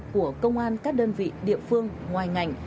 của công an các đơn vị địa phương ngoài ngành